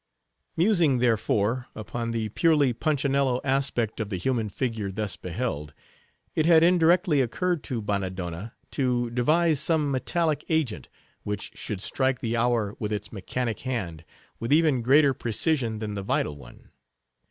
Musing, therefore, upon the purely Punchinello aspect of the human figure thus beheld, it had indirectly occurred to Bannadonna to devise some metallic agent, which should strike the hour with its mechanic hand, with even greater precision than the vital one.